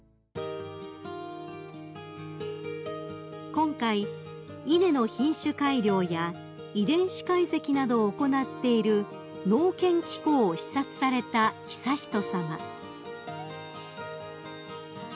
［今回稲の品種改良や遺伝子解析などを行っている農研機構を視察された悠仁さま］